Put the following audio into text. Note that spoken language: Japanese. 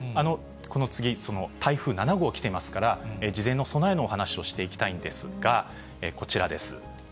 この次、台風７号、来ていますから、事前の備えのお話をしていきたいんですが、こちらです。